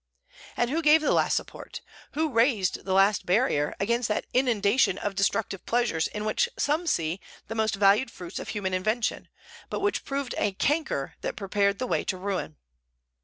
And who gave the last support, who raised the last barrier, against that inundation of destructive pleasures in which some see the most valued fruits of human invention, but which proved a canker that prepared the way to ruin?